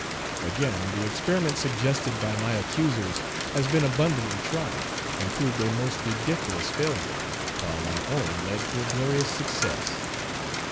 Again, the experiment suggested by my accusers has been abundantly tried, and proved a most ridiculous failure, while my own led to a glorious success.